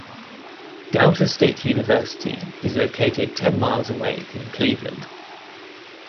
Delta State University is located ten miles away in Cleveland.